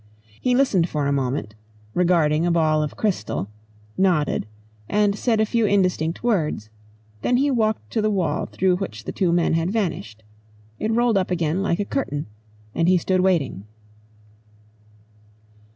He listened for a moment, regarding a ball of crystal, nodded, and said a few indistinct words; then he walked to the wall through which the two men had vanished. It rolled up again like a curtain, and he stood waiting.